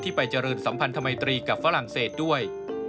ที่ไปเจริญสัมพันธ์ทำไมตรีกับฝรั่งเศสด้วย